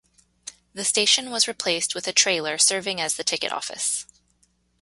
The station was replaced with a trailer serving as the ticket office.